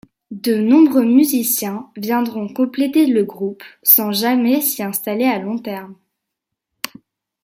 De nombreux musiciens viendront compléter le groupe sans jamais s'y installer à long terme.